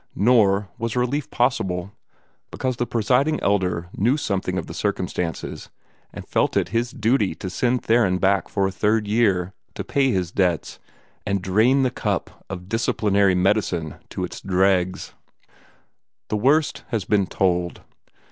Nor was relief possible, because the Presiding Elder knew something of the circumstances, and felt it his duty to send Theron back for a third year, to pay his debts, and drain the cup of disciplinary medicine to its dregs. The worst has been told.